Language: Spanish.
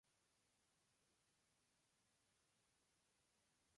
Se encuentra en Surinam y Venezuela.